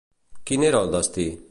Quin era el destí?